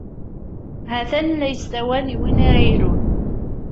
Ha-t-an la yessawal i win ara irun.